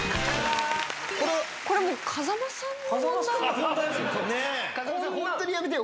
これもう風間さんの問題。